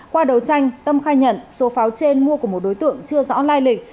qua đấu tranh tâm khai nhận số pháo trên mua của một đối tượng chưa rõ lai lịch